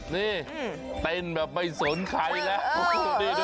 นี่เต้นแบบไปสนขายละดู